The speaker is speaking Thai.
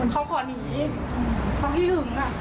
เขาขอหนีเขาให้หึง